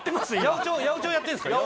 八百長やってんですか？